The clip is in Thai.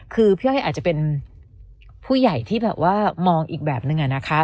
คือพี่โอ้ยอาจจะเป็นผู้ใหญ่ที่มองอีกแบบหนึ่ง